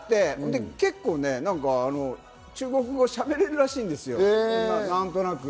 結構中国語しゃべれるらしいんですよ、なんとなく。